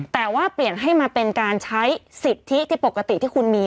แต่ว่าเปลี่ยนให้มาเป็นการใช้สิทธิที่ปกติที่คุณมี